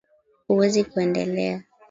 Huwezi kuendelea